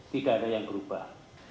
tidak ada yang berubah